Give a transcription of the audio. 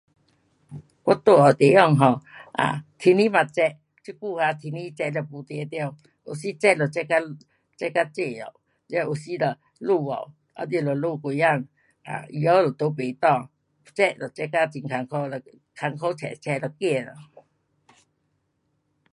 我住的地方 um 啊，天气嘛热，这久啊天气热了没定得，有时热就热到，热到最后，了有时就落雨，啊你就落几天，太阳也都不干。热就热到很困苦，困苦出，出都怕咯。